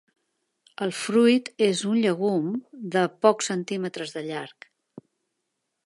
El fruit és un llegum de pocs centímetres de llarg.